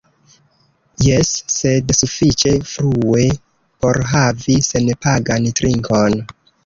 Jes... sed sufiĉe frue por havi senpagan trinkon